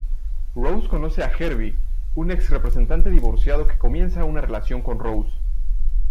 Rose conoce a Herbie, un ex representante divorciado que comienza una relación con Rose.